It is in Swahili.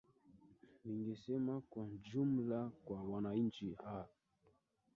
ningesema kwa jumla kwa wananchi aaa